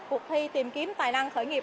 cuộc thi tìm kiếm tài năng khởi nghiệp